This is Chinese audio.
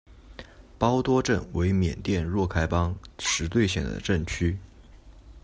包多镇为缅甸若开邦实兑县的镇区。